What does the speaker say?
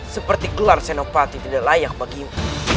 seperti gelar senopati tidak layak bagimu